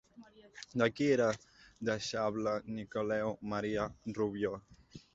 De qui era deixeble Nicolau Maria Rubió?